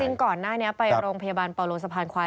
ก่อนหน้านี้ไปโรงพยาบาลปาโลสะพานควาย